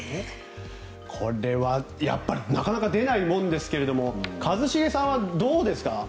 これはなかなか出ないものですけど一茂さんはどうですか？